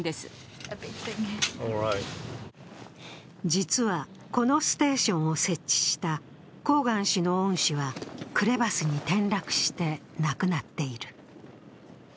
実は、このステーションを設置したコーガン氏の恩師はクレバスに転落して亡くなっている。